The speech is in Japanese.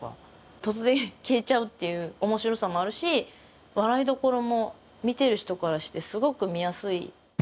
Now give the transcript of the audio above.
突然消えちゃうっていう面白さもあるし笑いどころも見てる人からしてすごく見やすい。